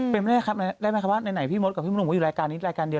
เป็นแม่คำว่าในไหนพี่มดกับพี่มนุมว่าอยู่รายการนี้รายการเดียว